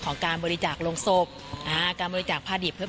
ตอนนี้ก็จะเริ่มประสบความสำเร็จได้เรื่อย